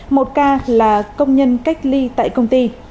một ca là công nhân cách ly tại công ty